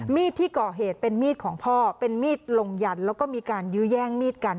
ที่ก่อเหตุเป็นมีดของพ่อเป็นมีดลงยันแล้วก็มีการยื้อแย่งมีดกัน